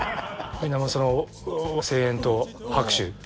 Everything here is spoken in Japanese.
その声援と拍手。